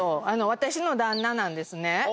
私の旦那なんですね。